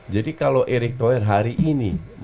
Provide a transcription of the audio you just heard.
jadi kalau erik toer hari ini